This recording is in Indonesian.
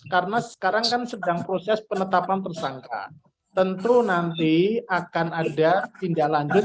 karena sekarang kan sedang proses penetapan tersangka tentu nanti akan ada tindak lanjut